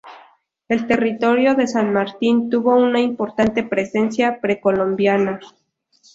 El territorio de San Martín tuvo una importante presencia precolombina.